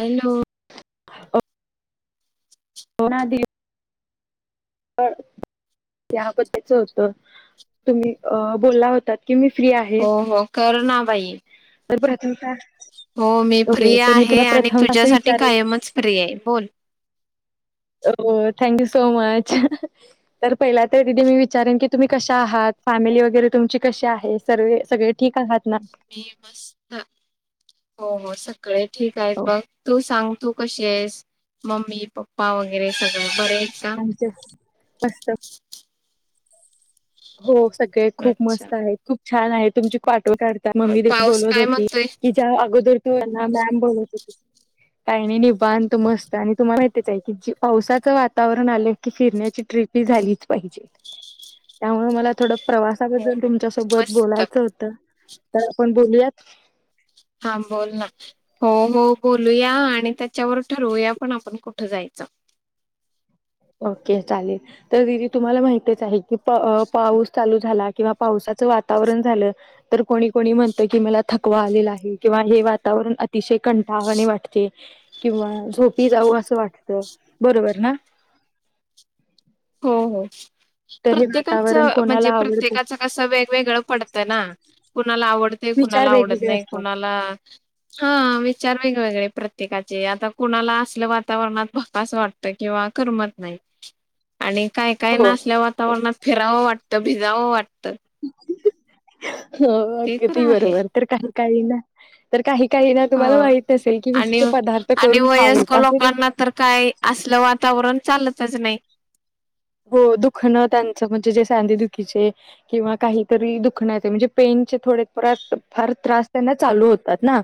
Hello. अ. कोना दिप या बद्दलच होतं तुम्ही अ बोलला होतात? कि मी फ्री आहे? हो हो कर ना बाई? तुम्ही फ्री आहात का? हो मी फ्री आहे आणि असं तुझ्यासाठी विचारेन कायमच फ्री हाय बोल. हो थँक यू सो मच तर पहिला तर दिदी मी विचारेन की तुम्ही कशा आहात? फॅमिली वगेरे तुमची कशी आहे सरवे सगळे ठीक आहात? ना मी मस्त हो हो सगळे ठीक आहेत हो बघ तू सांग. तू कशी आहेस? मम्मी, पप्पा वगेरे सगळं आमच्यात मस्त हो सगळे खूप अच्छा मस्त आहेत. खूप छान आहे तुमची कॉट फोटो काढता. अ, मम्मी देखील पाऊस बोलत काय होती, म्हणतोय कि ज्या अगोदर तूना मॅम बोलत होती. काही नाई निवांत मस्त आणि तुम्हाला हितच आहे, की जी पावसाचं वातावरण आलंय की फिरण्याची ट्रीप प ही झालीच पाहिजे. त्यामुळे मला थोडं हो प्रवासाबद्दल हो तुमच्यासोबत मस्त बोलायचं होतं तर, आपण बोलूयात? हा बोल ना हो हो बोलूया आणि त्याच्यावर ठरवूया पण आपण कुठं जायचं? [inaudible] ओके चालेल तर, दिदी तुम्हाला माहितीच आहे की पा पाऊस चालू झाला किंवा पावसाचं वातावरण झालं तर, कोणी कोणी म्हणतं कि मला थकवा आलेला आहे किंवा हे वातावरण अतिशय कंटळवाणी वाटते किंवा झोपी जावू असं वाटत बरोबर ना. [inaudible] हो हो. तर हे प्रत्येकाच वातावरण कोणाला म्हंजे आवडतं प्रत्येकाच कसं वेगवेगळं पडतं ना कुणाला आवडते विचार कुणाला आ डत वेगवेगळे नाही असतात कुणाला, हम्म विचार वेगवेगळे प्रत्येकाचे आता कुणाला असल्या वातावरणात भकास वाटतं किंवा करमत नाही. आणि काय काय ना हो आसल्या वातावरणात फिरावं वाटतं, भिगावं वाटतं. [unintelligible] हो ते तर अगदी आहे बरोबर तर, कांहीं कांहीं ना तर, कांहीं कांहीं ना हो तुम्हाला माहित असेल की वि आणि आणि वयस्कर लोकांना तर, काही आसलं वातावरण चालतच नाहीं. हो दुखन त्यां म्हंजे जे सांधेदुखीचे किंवा काही तरी दुखणं येते म्हणजे पेन थोडे त्रास फार त्रास त्यांना चालू होतात ना.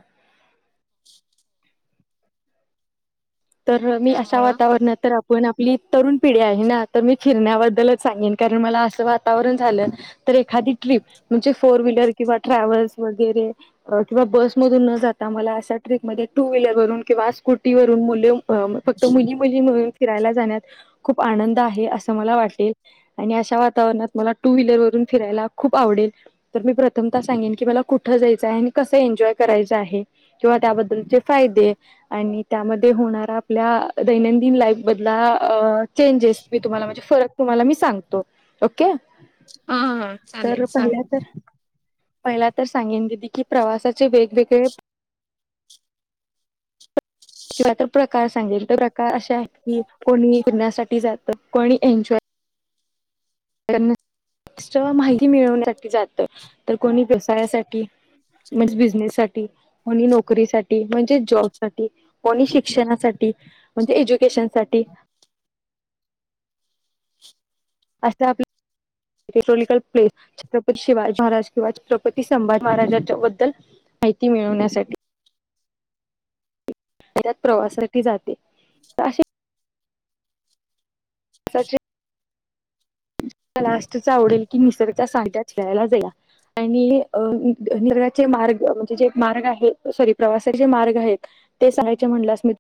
तर मी अशा त्यामुळं वातावरणात तर आ पण आपली तरुण पिढी आहे ना तर, मी फिरण्याबद्दलच सांगेन कारण मला असं वातावरण झालं तर एखादी ट्रिप म्हणजे फोर व्हीलर किंवा ट्रॅव्हल्स वगैरे किंवा बसमधून न जाता मला अशा ट्रिक मध्ये टू व्हीलर वरून किंवा स्कूटी वरुण मुली अ फक्त मुली मुलीनं मिळूण फिरायला जाण्यात खूप आनंद आहे अस मला वाटेल. आणि अशा वातावरणात मला टू व्हीलर वरून फिरायला खूप आवडेल तर मी प्रथमतः सांगेन की मला कुठं रायच आहे आणि कसं एन्जाय करायचं आहे किंवा त्या बद्दलचे फायदे आणि त्यामध्ये ते होणार आपल्या दैनंदिन लाईफ बधला चेंजेस मी तुम्हाला म्हणजे फरक तुम्हाला मी सांगतो ओके, हा हा तर चालेल सांग पहिल्या तर पहिला तर सांगेन दिदी की प्रवासाचे वेगवेगळे- [inaudible] किंवा तर प्रकार सांगेल तर प्रकार अ शे आहेत की, कोणी फिरण्यासाठी जातं कोणी एन्जॉय नुस्त माहिती मिळवण्यासाठी जात तर कोणी व्यवसायांसाठी म्हणजे बिझनेस साठी कोणी नोकरी साठी म्हणजे जॉब साठी कोणी शिक्षणासाठी. म्हणजे एज्युकेशन साठी. [unintelligible] हिस्टॉरिकल प्लेस छत्रपती शिवाजी महाराज किंवा छत्रपती संभाज महाराजांच्या बद्दल माहिती मिळवण्यासाठी. त्यात प्रवासाठी जाते तर अशे साचे लास्टच आवडेल की निसर्गच्या सांध्यात फिरायला जाऊया. आणि अ निघाचे मार्ग म्हणजे जे मार्ग आहे सॉरी प्रवासाचे जे मार्ग आहेत ते सांगायचे म्हणल्यास मी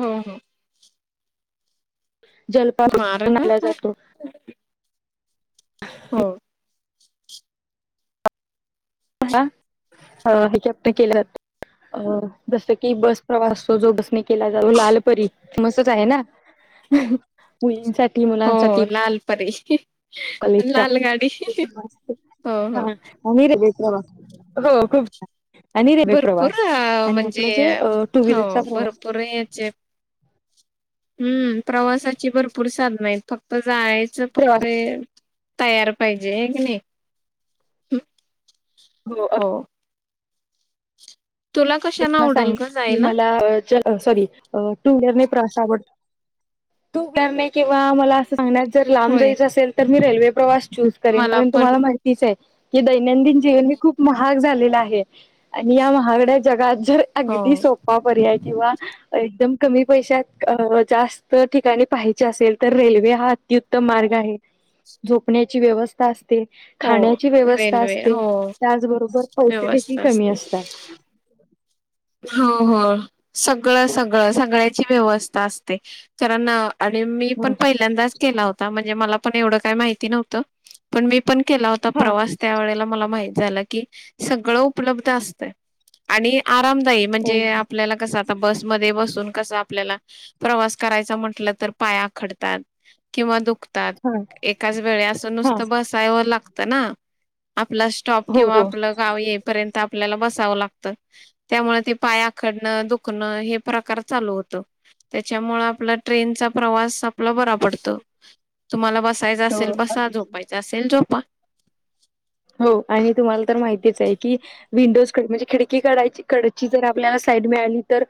हो हो. मार का काय [unintelligible] हो. हा अ ह्याच्यात ते केल जातं अ जसं की बस प्रवास जो बसने केला जो लालपरी मस्तच आहे ना. मुलीं साठी हो लाल परी [unintelligible] लाल गाडी हे हो हो बघ, हो खूप छा भरपूर अ म्हणजे जे टू हो व्हीलरचा प्रवास भरपूर याचे हम्म प्रवासाची भरपूर साधनं आहेत फक्त जायचं फक्त प्रवास ए तयार पाहिजे हाय की नाही? हम्म. हो अ तुला कशाने तुम्हाला सांग आवडेल ग की जायला मला अ सॉरी टू व्हीलरने प्रवास आवडतो, टु व्हीलरने किंवा मला अस सांगण्यात जर लांब होय जायचं असेल तर मी रेल्वे प्रवास चूज करेन मला कारण पण तुम्हाला माहितीचए. की दैनंदिन जीवन मी खूप महाग झालेलं आहे, आणि ह्या महागड्या जगात तर हो अगदी सोपा पर्याय किंवा एकदम कमी पैशात अ जास्त ठिकाणी पाहायची असेल तर रेल्वे हा अति उत्तम मार्ग आहे, झोपण्याची व्यवस्था अस ते हो खाण्याची व्यवस्था रेल्वे असते, हो त्याचबरोबर पैसे देखील व्यवस्था कमी असते असतात. हो हो, सगळं सगळं सगळ्याची व्यवस्था असते, कारण अ आणि मी हो पण पहिल्यांदाच केला होता, म्हणजे मला पण एवढं काही माहिती नव्हतं पण मी पण केला होता हा प्रवास त्या वेळेला मला माहित झालं. की सगळं उपलब्ध असतंय आणि आराम दायी हो, म्हणजे आपल्याला कसं आता बसमध्ये बसून कसं आपल्याला प्रवास करायचा म्हटलं तर पाय आखडतात किंवा दुख तात हा एकाच वेळी असं हा नुसतं बसायवर लागतं ना. आपला स्टॉप हो किंवा हो आपलं गाव येईपर्यंत आपल्याला बसावं लागतं. त्यामुळे ते पाय आखडणं दुखणं हे प्रकार चालू होतं त्याच्यामुळे आपला ट्रेनचा प्रवास आपला बरा पडतो, तुम्हाला बस बसायचं हो असेल, बसा झोपायचं असेल झोपा. हो आणि तुम्हाला तर माहितीच आहे, की विंडोज कड- म्हणजे खिडकी कडाय कडची जर आपल्याला साइड मिळाली तर,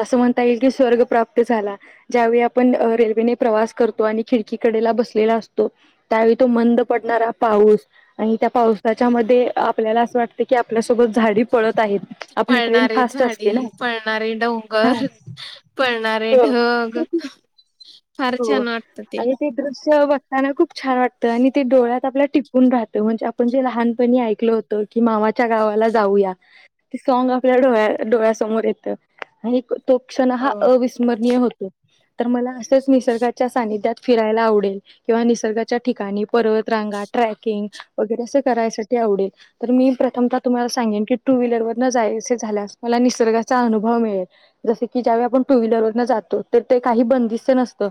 अस म्हणता येईल की स्वर्ग प्राप्त झाला ज्यावेळी आपण रेल्ववेने प्रवास करतो आणि खिडकी कडेला बसलेलो असतो, त्यावेळी तो मंद पडणारा पाऊस आणि त्या पावसाच्या मध्ये आपल्याला असं वाटत की, आपल्यासोबत झाडी पळत आहेत. आपली ट्रेन पळणारे फास्ट झाडी, असते ना पळणारे हा डोंगर, पळणारे हो ढग [inaudible] फार छानं वाटतं ते. अस बघताना खूप छान वाटतं, आणि ते डोळ्यात आपल्या टिपून राहतं म्हणजे आपण जे लहानपणी ऐकलो होत तो कि मामाच्या गावाला जाऊया, ते सॉग आपल्या डोळ्या डोळ्यासमोर येतं. आणि तो क्षण हा हो अविस्मरणीय होतो, तर मला असं सच निसर्गाच्या सानिध्यात फिरायला आवडेल, किंवा निसर्गाच्या ठिकाणी पर्वत रांगा ट्रॅकिंग वगैरे अस कराय साठी आवडेल तर मी प्रथमतः तुम्हाला सांगेन की टू व्हीलर वर जायचे झाल्यास मला निसर्गाचा अनुभव मिळेल, जसं की ज्यावेळी आपण टू व्हीलरवर जातो तर ते काही बंदीस्त नसतं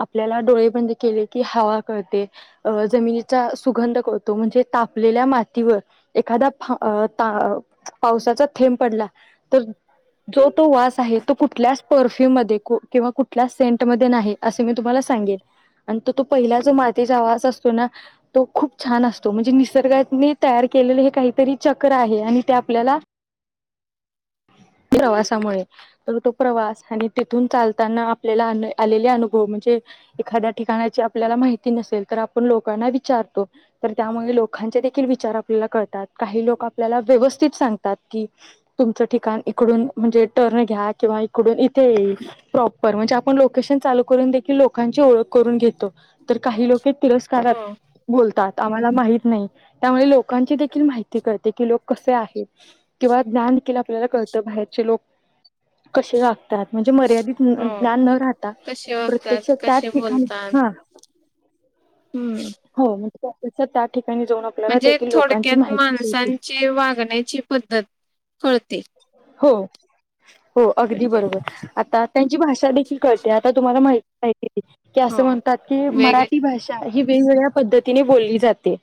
आपल्याला डोळे बंद केले की हवा कळते, ह अ जमिनीचा सुंगध कळतो म्हणजे तापलेल्या माती वर एखादा फा-ता- पावसाचा थेंब प डला तर तो वास आहे, तो कुठ परप्युम मध्ये किंवा सेंट नाही, असे मी तुम्हाला सांगेल. आणि तो तो पहिला जो मातीचा वास असतो ना, तो खूप छान असतो म्हणजे निसर्गाने तयार केलेलं हे काहीतरी चक्र आहे, आणि ते आपल्याला प्रवासामुळे तर तो प्रवास आणि तिथून चालताना आपल्याला अन आलेले अनुभव म्हणजे एखाद्या ठिकाणाची आपल्याला माहिती नसेल तर आपण लोकांना विचारतो. तर त्यामुळे लोकांचे देखील विचार आपल्याला कळतात, काही लोक आपल्याला व्यवस्थित सांगतात की तुमचं ठिकाण इकडून म्हणजे टर्न घ्या किंवा इकडून इथे येईल, प्रॉपर म्हणजे आपण लोक कशन चालू करून देखील लोकांची ओळख करून घेतो, तर काही लोके तिरस्कारात हो बोलतात. आम्हाला माहीत नाही त्यामुळे लोकांची देखील माहिती कळते लोक कसे आहेत किंवा ज्ञान देखील आपल्याला बाहेरचे लोक कसे वागतात मर्यादित हो ज्ञान न रा कसे प्रत्यक्ष वागतात त्याच कसे ठिकाणी बोलतात हा, हम्म हो. मग त्यापेक्षा त्यात म्हणजे थोडक्यात कळते. माणसांची वागण्याची पद्धत कळते. हो, हो. अगदी म्हणजे बरोबर आता त्यांची भाषा देखील कळते आता तुम्हाला माहित नाही अस हो म्हणतात की वेग मराठी भाषा आ ही वेगवेगळ्या पद्धतीने बोलली जाते.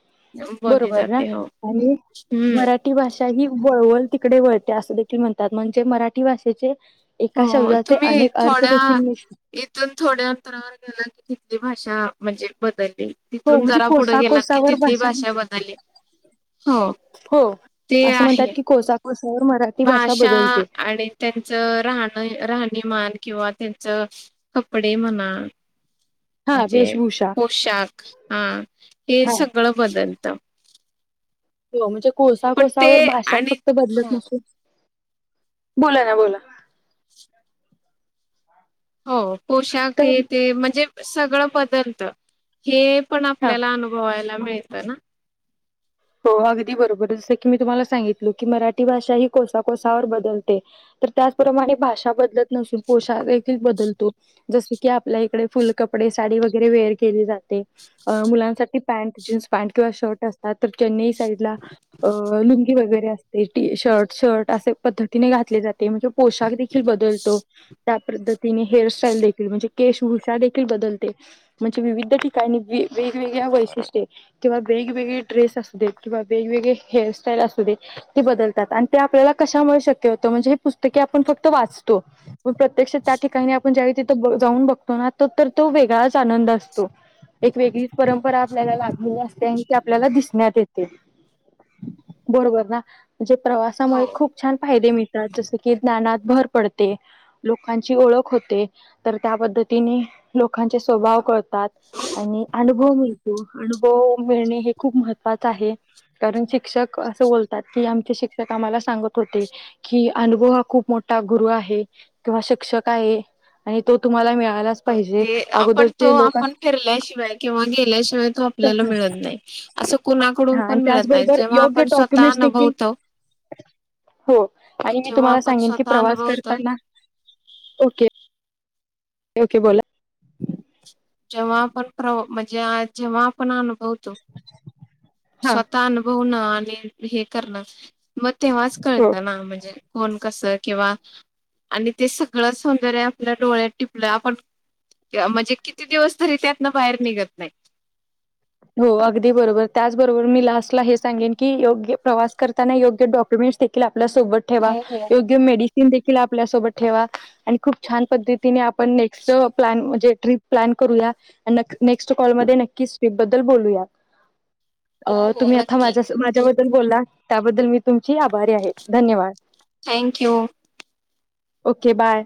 बोलली बरोबर ना जाते हो आणि हम्म मराठी भाषा त्यांनी वळवल तिकडे वळते अस देखील म्हणतात. म्हणजे मराठी भाषेचे एका शब हो तुम्ही थोड्या इथून थोड्या अंतरावर गेला की तिथली भाषा म्हणजे बदलली, हो तिथून म्हणजे जरा पुढं कोसा गेलात की कोसावर तिथली भाषा बदलली. हो हो. ते असं म्हणतात आहे. की कोसाकोसावर मराठी भाषा बदलते. आणि त्यांचं राहण राहणीमान किंवा त्यांच कपडे म्हणा हा म्हणजे वेशभूषा. पोशाख हा हे हा सगळं बदलत. हो म्हणजे कोसा ते कोसावर भाषा आणि फक्त हो बदलत नसेल बोला ना बोला. हो पोशाख तर ये तेे म्हणजे सगळं बदलत. हे पण हा आपल्याला अनुभवायला मिळत ना. हो अगदी बरोबर जस की मी तुम्हाला सांगितलो की मराठी भाषा ही कोसा कोसावर बदलते. तर त्याचप्रमाणे भाषा बदलत नसून पोषाख देखील बदल जसं की आपल्याकडे फुल कपडे साडी वगैरे वेअर केली जाते, अ मुलांसाठी पॅ पॅन्ट, जीन्स पॅन्ट किंवा शर्ट असतात, तर चेन्नई साईडला लुंगी वगैरे ते असते शर्ट, शर्ट असे पद्धतीने घातले जाते म्हणजे पोशाख देखील बदलतो. त्या पद्धतीने हेअरस्टाईल देखील म्हणजे केशभूषा देखील बदलते म्हणजे विविध ठिका आणि वेगवेगळ्या वैशिष्ट्ये किंवा वेगवेगळी ड्रेस असू देत किंवा वेगवेगळे हेअरस्टाईल असू दे ते बदलतात आणि ते आपल्याला कशामुळे शक्य होत म्हणजे हे पुस्तकी आपण फक्त वाचतो, पण प्रत्यक्ष आपण त्या ठिकाणी जाऊन बघतो ना तो तर तो वेगळाच आनंद असतो. एक वेगळीच परंपरा आपल्याला लागलेली असते आणि ती आपल्याला दिसण्यात येते. बरोबर ना? म्हणजे हो प्रवासामुळे खूप छान फायदे मिळ जस की ज्ञानात भर पडते, लोकांची ओळख होते तर त्या पद्धतीने लोकांचे स्वभाव कळतात आणि अनुभव मिळतो, अनुभव मिळणे हे खूप महत्वाचं आहे. कारण शिक्षक असं बोलतात, की आमचे शिक्षक आम्हाला सांगत होते, की अनुभव हा खूप मो ठा गुरु आहे किंवा शिक्षक आहे आणि तो तुम्हाला मिळा- हो, ते आपण तो आपण फिरल्याशिवाय किंवा गेल्याशिवाय तो आपल्याला मिळत नाइ. हा आणि त्याचबरोबर योग्य आपण स्वतः डॉक्युमेंट्स देखील अनुभवतो हो आणि मी जेव्हा तुम्हाला आपण सांगेन की स्वतः प्रवास अनुभवतो करताना, ओके. ओके बोला. जेव्हा आपण प्र म्हणजे जेव्हा आपण अनुभव तो हा स्वतःअनुभवणं आणि हे करणं म तेव्हाच हो कळतं ना, म्हणजे कोण कस किंवा आणि ते सगळं सौंदर्य आपल्या डोळ्यात टिपलं, आपण किंवा म्हणजे किती दिवस तरी त्यातन बाहेर निघत नाइ. हो अगदी बरोबर, त्याचबरोबर मी लास्टला हे सांगेन की योग्य प्रवास करताना योग्य डॉक्युमेंट्स देखील आप- आपल्या सोबत ठेवा. हो हो योग्य मेडि- ते देखील आपल्या सोबत ठेवा, आणि खूप छान पद्धतीने आपण नेक्स्ट प्लॅन म्हणजे ट्रीप प्लॅन करूया, नक नेक्स्ट कॉल मध्ये नक्कीच ट्रीप बद्दल बोलूया. हो अ हो तुम्ही आथा नक्की माझ्यास माझ्याबद्दल बोलला त्याबद्दल मी तुमची आभारी आहे, धन्यवाद. Thank you. Okay bye.